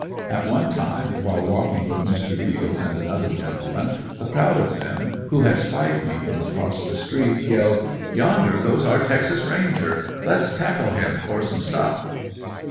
At one time, while walking with Mr. Beals and another gentleman, a crowd of them who had spied me from across the street, yelled "Yonder goes our Texas Ranger! Lets tackle him for some stuff!"